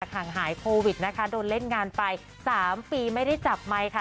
ห่างหายโควิดนะคะโดนเล่นงานไป๓ปีไม่ได้จับไมค์ค่ะ